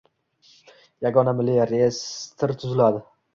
Yagona milliy reestri tuziladi.